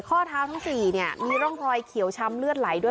ข้อเท้าทั้ง๔เนี่ยมีร่องรอยเขียวช้ำเลือดไหลด้วย